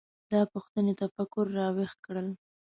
دا پوښتنې تفکر راویښ کړل.